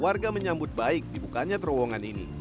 warga menyambut baik dibukanya terowongan ini